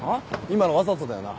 今のわざとだよな？